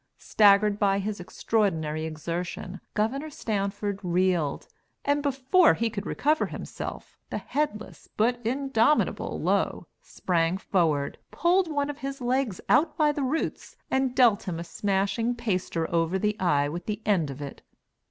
Staggered by his extraordinary exertion, Gov. Stanford reeled, and before he could recover himself the headless but indomitable Low sprang forward, pulled one of his legs out by the roots, and dealt him a smashing paster over the eye with the end of it.